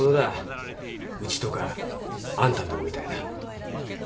うちとかあんたんとこみたいな